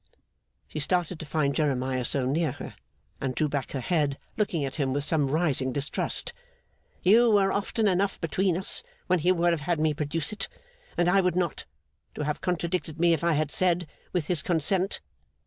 She started to find Jeremiah so near her, and drew back her head, looking at him with some rising distrust. 'You were often enough between us when he would have had me produce it and I would not, to have contradicted me if I had said, with his consent.